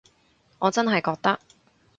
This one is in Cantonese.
我真係覺得